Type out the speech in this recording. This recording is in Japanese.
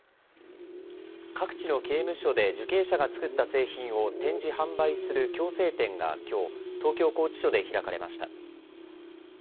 各地の刑務所で受刑者が作った製品を展示・販売する矯正展がきょう東京拘置所で開かれました。